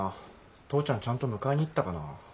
父ちゃんちゃんと迎えに行ったかな。